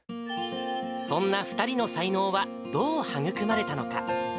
そんな２人の才能はどう育まれたのか。